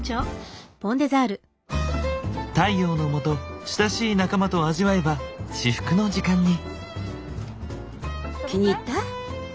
太陽の下親しい仲間と味わえば至福の時間に。